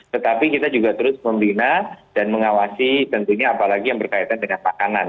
tetapi kita juga terus membina dan mengawasi tentunya apalagi yang berkaitan dengan makanan